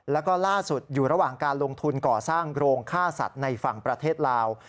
แล้วก็ล่าสุดอยู่ระหว่างการลงทุนก่อสร้างโรงฆ่าสัตว์ในฝั่งประเทศลาว